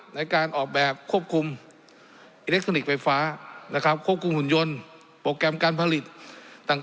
ในการออกแบบควบคุมอิเล็กทรอนิกส์ไฟฟ้านะครับควบคุมหุ่นยนต์โปรแกรมการผลิตต่าง